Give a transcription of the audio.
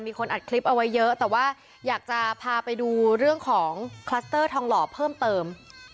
มีคนอัดคลิปเอาไว้เยอะแต่ว่าอยากจะพาไปดูเรื่องของคลัสเตอร์ทองหล่อเพิ่มเติม